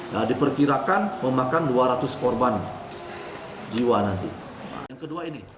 nah diperkirakan memakan dua ratus korban jiwa nanti